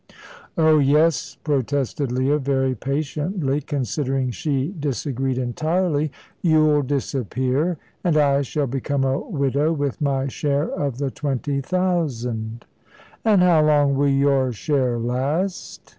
"Oh yes!" protested Leah, very patiently, considering she disagreed entirely; "you'll disappear, and I shall become a widow with my share of the twenty thousand." "An' how long will your share last?"